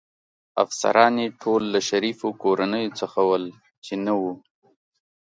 افسران يې ټول له شریفو کورنیو څخه ول، چې نه و.